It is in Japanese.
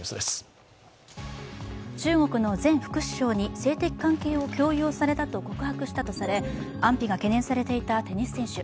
中国の前副首相に性的関係を強要されたと告白し安否が懸念されていたテニス選手。